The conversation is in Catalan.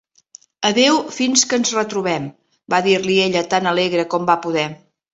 "Adeu, fins que ens retrobem!", va dir-li ella tan alegre com va poder.